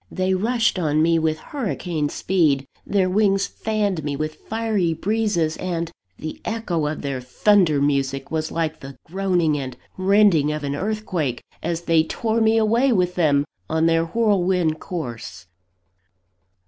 They rushed on me with hurricane speed; their wings fanned me with fiery breezes; and the echo of their thunder music was like the groaning and rending of an earthquake, as they tore me away with them on their whirlwind course.